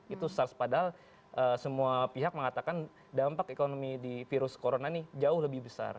itu sars padahal semua pihak mengatakan dampak ekonomi di virus corona ini jauh lebih besar